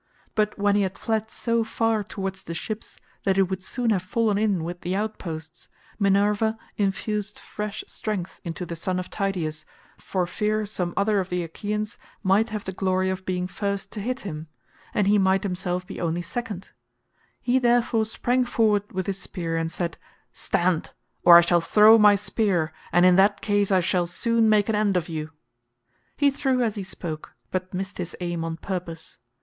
But when he had fled so far towards the ships that he would soon have fallen in with the outposts, Minerva infused fresh strength into the son of Tydeus for fear some other of the Achaeans might have the glory of being first to hit him, and he might himself be only second; he therefore sprang forward with his spear and said, "Stand, or I shall throw my spear, and in that case I shall soon make an end of you." He threw as he spoke, but missed his aim on purpose.